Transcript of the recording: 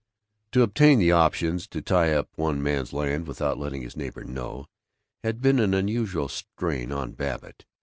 To obtain the options, to tie up one man's land without letting his neighbor know, had been an unusual strain on Babbitt.